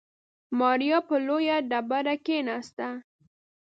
ماريا پر لويه ډبره کېناسته.